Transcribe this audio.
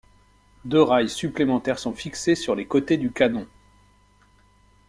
Deux rails supplémentaires sont fixés sur les côtés du canon.